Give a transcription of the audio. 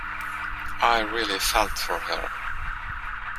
I really felt for her.